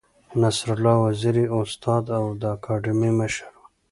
نصرالله وزیر یې استاد او د اکاډمۍ مشر و.